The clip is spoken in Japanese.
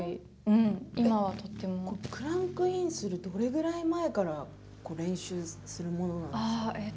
クランクインするどれぐらい前から練習するもんなんですか？